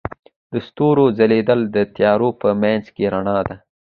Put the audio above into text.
د ستورو ځلیدا د تیارو په منځ کې رڼا ده.